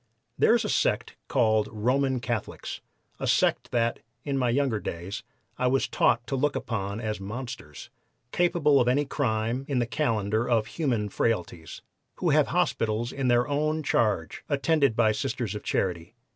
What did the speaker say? There is a sect called Roman Catholics a sect that, in my younger days, I was taught to look upon as monsters, capable of any crime in the calendar of human frailties who have hospitals in their own charge attended by Sisters of Charity.